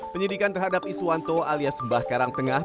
penyelidikan terhadap isuanto alias mbah karang tengah